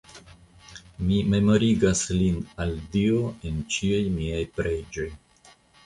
Mi memorigas lin al Dio en ĉiuj miaj preĝoj.